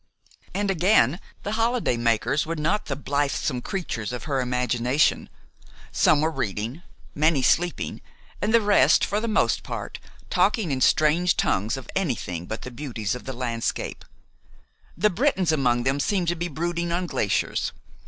And again, the holiday makers were not the blithesome creatures of her imagination. Some were reading, many sleeping, and the rest, for the most part, talking in strange tongues of anything but the beauties of the landscape. The Britons among them seemed to be brooding on glaciers.